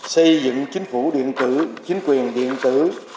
xây dựng chính phủ điện tử chính quyền điện tử